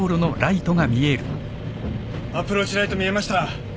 アプローチライト見えました。